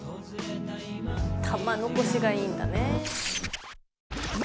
玉のこしがいいんだね。